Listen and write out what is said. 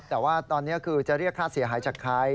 แต่ว่าตอนนี้คือจะเรียกค่าเสียหายจากใคร